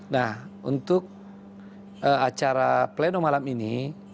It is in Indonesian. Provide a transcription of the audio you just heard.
nah untuk acara pleno malam ini